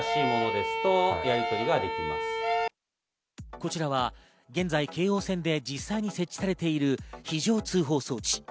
こちらは現在、京王線で実際に設置されている非常通報装置。